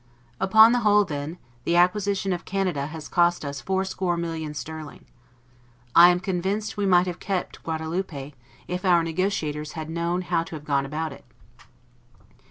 Upon the whole, then, the acquisition of Canada has cost us fourscore millions sterling. I am convinced we might have kept Guadaloupe, if our negotiators had known how to have gone about it.